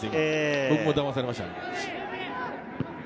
僕もだまされました。